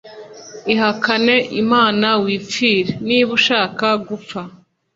Ihakane Imana wipfire.niba ushaka gupfa